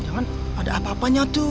jangan ada apa apanya tuh